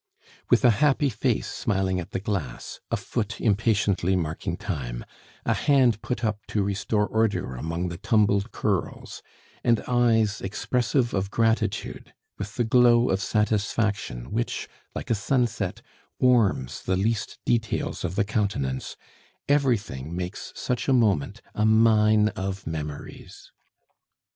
With a happy face smiling at the glass, a foot impatiently marking time, a hand put up to restore order among the tumbled curls, and eyes expressive of gratitude; with the glow of satisfaction which, like a sunset, warms the least details of the countenance everything makes such a moment a mine of memories.